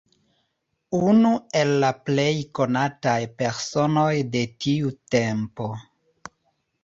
Unu el la plej konataj personoj de tiu tempo.